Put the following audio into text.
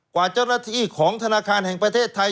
กว่าเจ้าหน้าที่ของธนาคารแห่งประเทศไทย